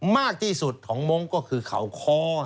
มากที่สุดของมงค์ก็คือเขาคอ